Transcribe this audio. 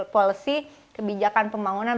policy kebijakan pembangunan